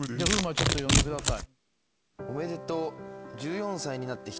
ちょっと読んでください。